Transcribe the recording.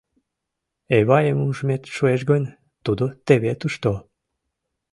Эвайым ужмет шуэш гын, тудо теве тушто...